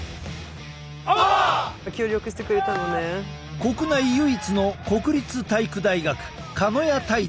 国内唯一の国立体育大学鹿屋体大。